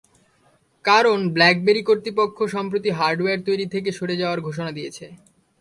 কারণ, ব্ল্যাকবেরি কর্তৃপক্ষ সম্প্রতি হার্ডওয়্যার তৈরি থেকে সরে যাওয়ার ঘোষণা দিয়েছে।